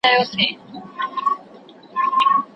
د ميرويس خان نيکه د ژوندانه کومه کیسه ډېره مشهوره ده؟